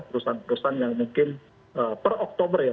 perusahaan perusahaan yang mungkin per oktober ya